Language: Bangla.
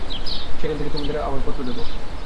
সেখান থেকে তোমাদের আবার পত্র দেব।